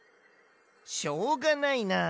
しょうがないな。